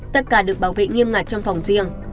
tất cả được bảo vệ nghiêm ngặt trong phòng riêng